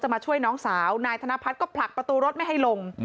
มาช่วยน้องสาวนายธนพัฒน์ก็ผลักประตูรถไม่ให้ลง